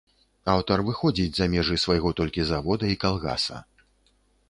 Аўтар выходзіць за межы свайго толькі завода і калгаса.